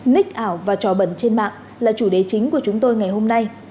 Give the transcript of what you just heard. ních ảo và trò bẩn trên mạng là chủ đề chính của chúng tôi ngày hôm nay